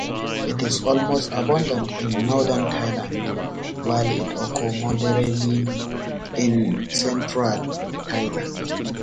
It is most abundant in northern Thailand, while it occurs moderately in central Thailand.